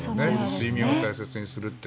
睡眠を大切にするって。